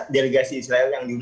delegasi israel yang digelar